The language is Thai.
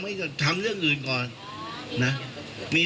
ไม่ครับไม่มี